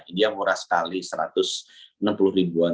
india murah sekali rp satu ratus enam puluh an